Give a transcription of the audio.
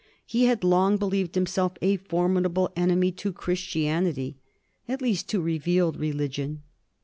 He bad long believed himself a formidable enemy to Chris tianity — ^at least to revealed religion.